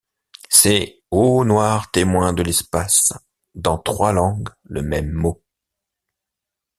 C’est, ô noirs témoins de l’espace, Dans trois langues le même mot!